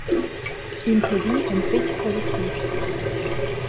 Impedi ein fetg productivs.